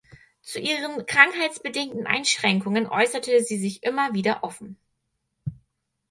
Zu ihren krankheitsbedingten Einschränkungen äusserte sie sich immer wieder offen.